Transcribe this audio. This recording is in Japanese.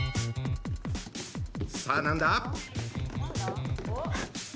さあ何だ？